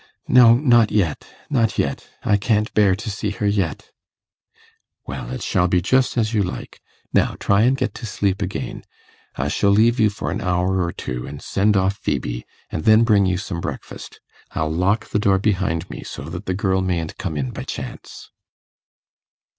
'No, not yet, not yet. I can't bear to see her yet.' 'Well, it shall be just as you like. Now try and get to sleep again. I shall leave you for an hour or two, and send off Phœbe, and then bring you some breakfast. I'll lock the door behind me, so that the girl mayn't come in by chance.